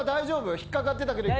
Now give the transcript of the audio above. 引っ掛かってたけど。